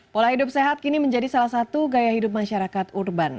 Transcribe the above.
pola hidup sehat kini menjadi salah satu gaya hidup masyarakat urban